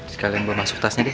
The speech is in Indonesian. sekalian bawa masuk tasnya nih